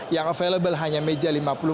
yang available hanya meja lima puluh empat